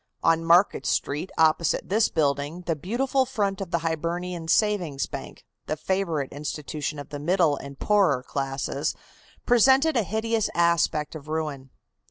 On Market Street opposite this building the beautiful front of the Hibernian Savings Bank, the favorite institution of the middle and poorer classes, presented a hideous aspect of ruin.